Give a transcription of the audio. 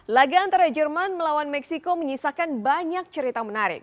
laga antara jerman melawan meksiko menyisakan banyak cerita menarik